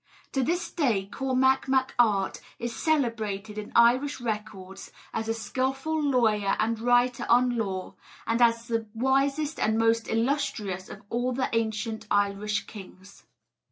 To this day Cormac Mac Art is celebrated in Irish records as a skilful lawyer and writer on law, and as the wisest and most illustrious of all the ancient Irish kings.